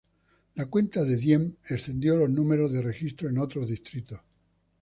La cuenta de Diệm excedió los números de registro en otros distritos.